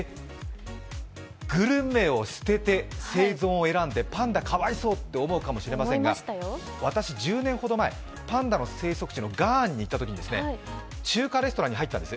グルメを捨てて生存を選んでパンダかわいそうって思うかもしれませんが、私１０年前、パンダの生息地のガーナに行ったとき中華レストランに入ったんです。